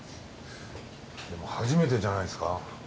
でも初めてじゃないっすか？